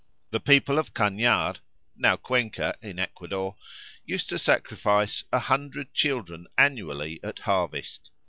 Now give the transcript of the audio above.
The people of Cañar (now Cuenca in Ecuador) used to sacrifice a hundred children annually at harvest.